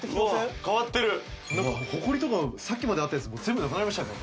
うわ変わってるホコリとかさっきまであったやつ全部なくなりましたよね